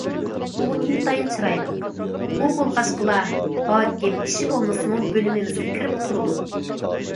ئۇ ئىنتايىن چىرايلىق، ئۇ بولغاچقىلا ھاكىم ئىشى بولمىسىمۇ بۆلۈمىمىزگە كىرىپ تۇرىدۇ.